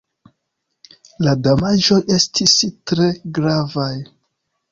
La damaĝoj estis tre gravaj.